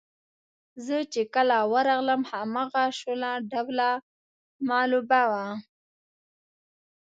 زه چې کله ورغلم هماغه شوله ډوله مغلوبه وه.